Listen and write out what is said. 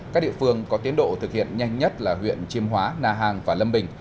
các địa phương có tiến độ thực hiện nhanh nhất là huyện chiêm hóa na hàng và lâm bình